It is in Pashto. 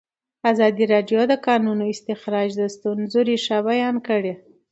ازادي راډیو د د کانونو استخراج د ستونزو رېښه بیان کړې.